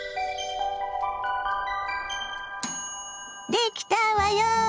できたわよ！